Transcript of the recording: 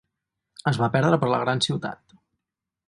Es va perdre per la gran ciutat.